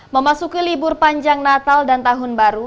memasuki libur panjang natal dan tahun baru